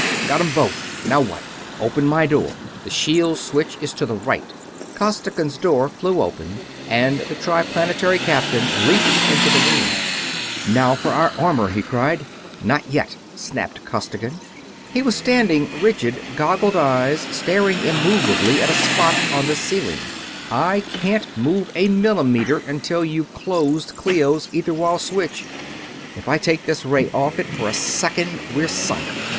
Got 'em both. Now what?" "Open my door the shield switch is to the right." Costigan's door flew open and the Triplanetary captain leaped into the room. "Now for our armor!" he cried. "Not yet!" snapped Costigan. He was standing rigid, goggled eyes staring immovably at a spot on the ceiling. "I can't move a millimeter until you've closed Clio's ether wall switch. If I take this ray off it for a second we're sunk.